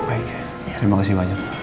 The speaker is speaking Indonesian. oke baik ya terima kasih banyak